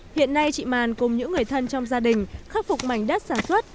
hiện nay chị màn cùng những người thân trong gia đình khắc phục mảnh đất sản xuất